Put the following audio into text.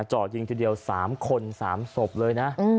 จ่อยิงทีเดียว๓คน๓ศพเลยนะ